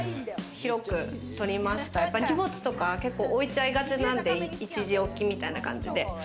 広くとりました、荷物とか置いちゃいがちなんで、一時置きみたいな感じで。